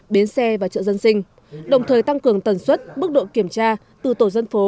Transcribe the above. biến xe và trợ dân sinh đồng thời tăng cường tần suất bước độ kiểm tra từ tổ dân phố